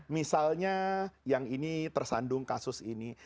misalnya yang ini tersandung kasus ini